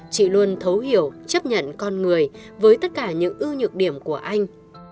chị luôn thấu hiểu chấp nhận con người với tất cả những ưu nhược điểm của anh